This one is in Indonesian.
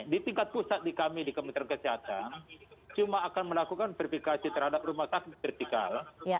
di tingkat pusat di kami di kementerian kesehatan cuma akan melakukan verifikasi terhadap rumah sakit vertikal